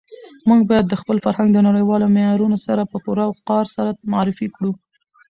موږ باید خپل فرهنګ د نړیوالو معیارونو سره په پوره وقار سره معرفي کړو.